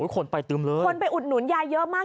คนไปตึมเลยคนไปอุดหนุนยายเยอะมาก